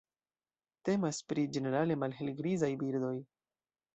Temas pri ĝenerale malhelgrizaj birdoj.